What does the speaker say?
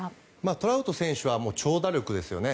トラウト選手は長打力ですよね。